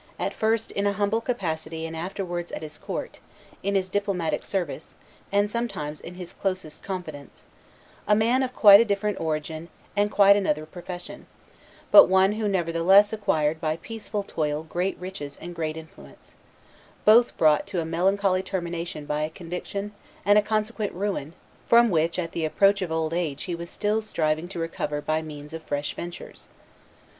at first in a humble capacity and afterwards at his court, in his diplomatic service and sometimes in his closest confidence, a man of quite a different origin and quite another profession, but one who nevertheless acquired by peaceful toil great riches and great influence, both brought to a melancholy termination by a conviction and a consequent ruin from which at the approach of old age he was still striving to recover by means of fresh ventures.